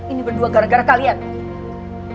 ini berdua gara gara kalian